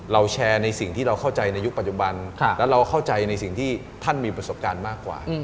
แชร์ในสิ่งที่เราเข้าใจในยุคปัจจุบันและเราเข้าใจในสิ่งที่ท่านมีประสบการณ์มากกว่า